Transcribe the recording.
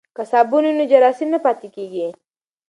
که صابون وي نو جراثیم نه پاتیږي.